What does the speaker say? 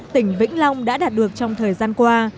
tỉnh vĩnh long đã đạt được trong thời gian qua